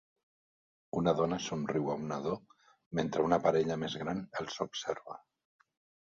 Una dona somriu a un nadó mentre una parella més gran els observa.